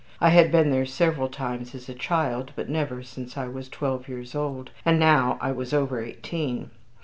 I had been there several times as a child, but never since I was twelve years old, and now I was over eighteen.